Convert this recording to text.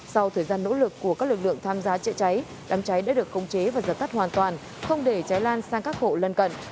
sau thời gian nỗ lực của các lực lượng tham gia chữa cháy đám cháy đã được khống chế và giật tắt hoàn toàn không để cháy lan sang các hộ lân cận